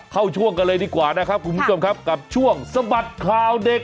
ช่วงกันเลยดีกว่านะครับคุณผู้ชมครับกับช่วงสะบัดข่าวเด็ก